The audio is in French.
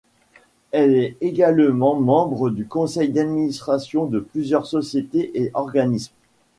Elle est également membre du conseil d'administration de plusieurs sociétés et organismes.